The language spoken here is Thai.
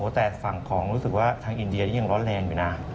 แต่ฝั่งของรู้สึกว่าทางอินเดียนี่ยังร้อนแรงอยู่นะ